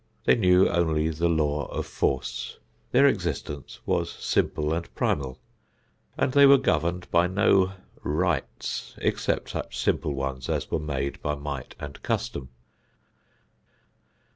They knew only the law of force. Their existence was simple and primal, and they were governed by no "rights," except such simple ones as were made by might and custom.